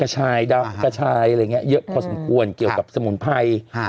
ในดับก็ใช้อะไรอย่างเงี้ยเยอะพอสมควรเกี่ยวกับสมุนไพร